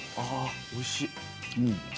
おいしい。